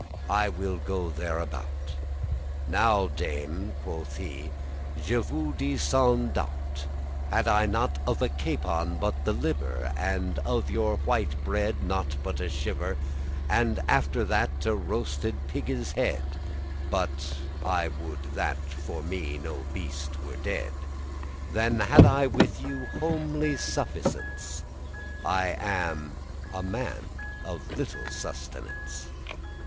I will go thereabout." "Now, Dame," quoth he, "je vous dis sans doute, <9> Had I not of a capon but the liver, And of your white bread not but a shiver,* *thin slice And after that a roasted pigge's head, (But I would that for me no beast were dead,) Then had I with you homely suffisance. I am a man of little sustenance.